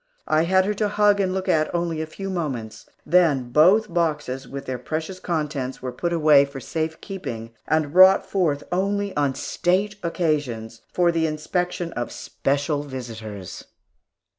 I had her to hug and look at only a few moments; then both boxes with their precious contents were put away for safe keeping, and brought forth only on state occasions, for the inspection of special visitors.